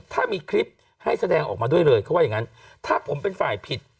ถ้ามีคลิปให้แสดงออกมาด้วยเลยเขาว่าอย่างงั้นถ้าผมเป็นฝ่ายผิด